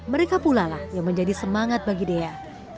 mereka pula lah yang menjadi semangat bagi dea